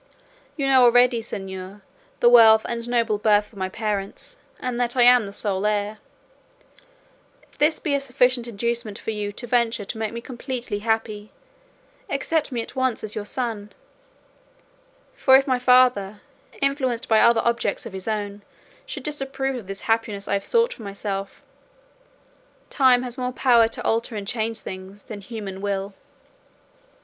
You know already, señor, the wealth and noble birth of my parents, and that I am their sole heir; if this be a sufficient inducement for you to venture to make me completely happy, accept me at once as your son; for if my father, influenced by other objects of his own, should disapprove of this happiness I have sought for myself, time has more power to alter and change things, than human will."